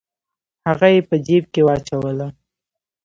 هغه یې په جیب کې واچوله.